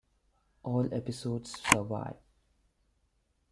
All episodes survive.